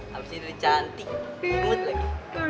habis itu cantik gemet lagi